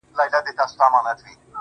د جهنم منځ کي د اوسپني زنځیر ویده دی.